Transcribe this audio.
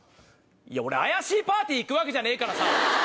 怪しいパーティー行くわけじゃねえからさ。